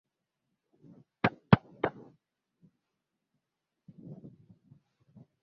na zimesalia saa chache kabla ya raia wa hapo sudan kusini